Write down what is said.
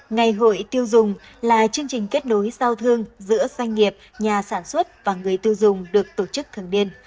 ngày hội tiêu dùng là chương trình kết nối giao thương giữa doanh nghiệp nhà sản xuất và người tiêu dùng được tổ chức thường niên